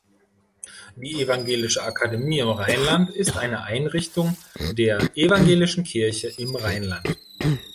Die Evangelische Akademie im Rheinland ist eine Einrichtung der Evangelischen Kirche im Rheinland.